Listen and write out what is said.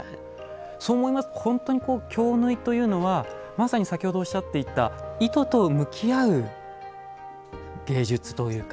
そう思いますと本当に京繍というのはまさに先ほどおっしゃっていた糸と向き合う芸術というか技術なんですね。